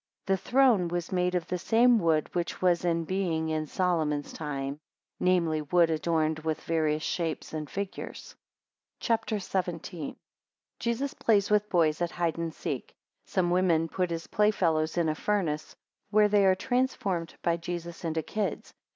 16 The throne was made of the same wood which was in being in Solomon's time, namely, wood adorned with various shapes, and figures. CHAP. XVII. 1 Jesus plays with boys at hide and seek. 3 Some women put his playfellows in a furnace, 7 where they are transformed by Jesus into kids.